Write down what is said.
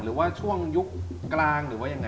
หรือว่าช่วงยุคกลางหรือว่ายังไง